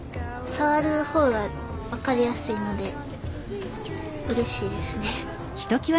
さわる方が分かりやすいのでうれしいですね。